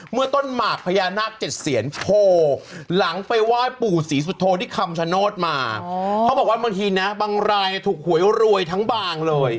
เมื่อต้นหมักพญานาคเจ็ดเสียนโผลย์หลังไปไหว้ปู่ศรีสุธโธนิคัมชนสมา